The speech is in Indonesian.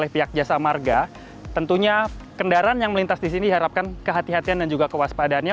pihak jasa marga tentunya kendaraan yang melintas di sini diharapkan kehatian dan juga kewaspadaannya